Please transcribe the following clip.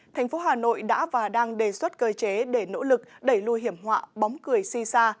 thành phố hà nội đã và đang đề xuất cơ chế để nỗ lực đẩy lùi hiểm họa bóng cười si xa